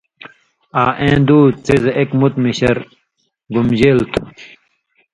آں اېں دو څیزہۡ اېک مُت مِشر گُمبژېل تھو۔